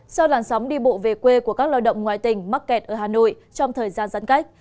sau làn sóng đi bộ về quê của các lao động ngoài tỉnh mắc kẹt ở hà nội trong thời gian giãn cách